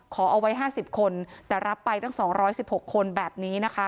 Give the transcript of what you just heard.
ขอเอาไว้ห้าสิบคนแต่รับไปตั้งสองร้อยสิบหกคนแบบนี้นะคะ